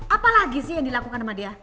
apa lagi sih yang dilakukan sama dia